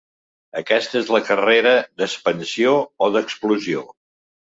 Aquesta és la carrera d'expansió o d'explosió.